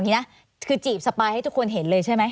คือจีบสปายให้ทุกคนเห็นเลยใช่ไหม